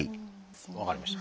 分かりました。